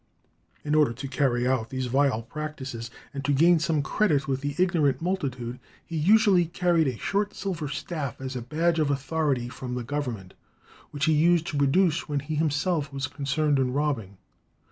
"In order to carry out these vile practices, and to gain some credit with the ignorant multitude, he usually carried a short silver staff as a badge of authority from the government, which he used to produce when he himself was concerned in robbing."